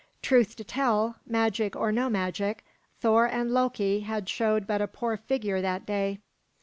Truth to tell, magic or no magic, Thor and Loki had showed but a poor figure that day.